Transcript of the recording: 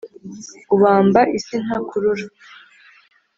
Ubamba isi ntakurura